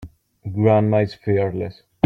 Grandma is fearless.